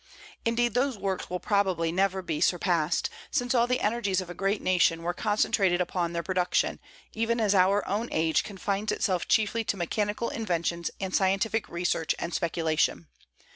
Indeed, those works will probably never be surpassed, since all the energies of a great nation were concentrated upon their production, even as our own age confines itself chiefly to mechanical inventions and scientific research and speculation.